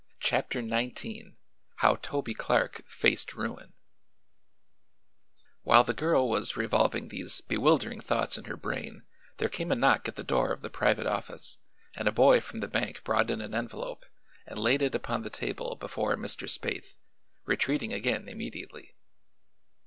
CHAPTER XIX HOW TOBY CLARK FACED RUIN While the girl was revolving these bewildering thoughts in her brain there came a knock at the door of the private office and a boy from the bank brought in an envelope and laid it upon the table before Mr. Spaythe, retreating again immediately.